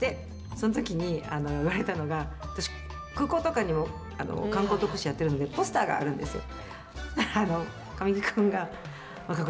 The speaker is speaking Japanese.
その時に言われたのが私、空港とかにも観光特使をやっているのでポスターがあるんですよ。